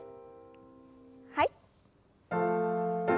はい。